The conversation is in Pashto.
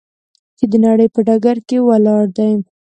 چې د نړۍ په ډګر کې ولاړ دی.